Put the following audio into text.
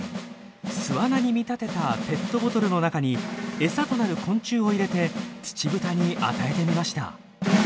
巣穴に見立てたペットボトルの中にエサとなる昆虫を入れてツチブタに与えてみました。